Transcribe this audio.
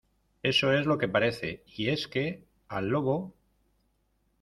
eso es lo que me parece. y es que, al lobo